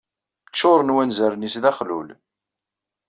Ččuren wanzaren-is d axlul.